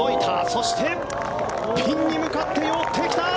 そしてピンに向かって寄ってきた！